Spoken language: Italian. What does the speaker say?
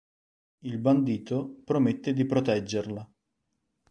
Il bandito promette di proteggerla.